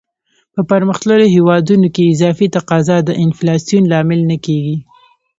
په پرمختللو هیوادونو کې اضافي تقاضا د انفلاسیون لامل نه کیږي.